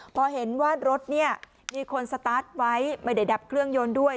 พอเห็นว่ารถเนี่ยมีคนสตาร์ทไว้ไม่ได้ดับเครื่องยนต์ด้วย